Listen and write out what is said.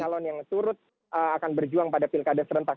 calon yang turut akan berjuang pada pilkada serentak